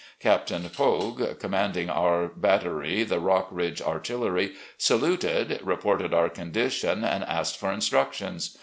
Captain Poague, commanding our battery, the Rock bridge Artillery, saluted, reported our condition, and asked for instructions.